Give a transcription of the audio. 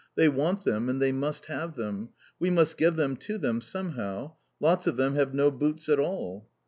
They want them, and they must have them. We must give them to them somehow. Lots of them have no boots at all!"